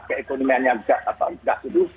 keekonomianya gak tuduh